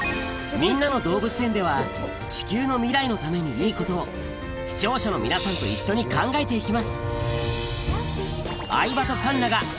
『みんなのどうぶつ園』では地球の未来のためにいいことを視聴者の皆さんと一緒に考えて行きます